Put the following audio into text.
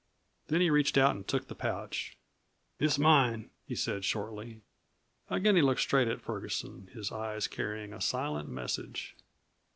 Then he reached out and took the pouch. "It's mine," he said shortly. Again he looked straight at Ferguson, his eyes carrying a silent message.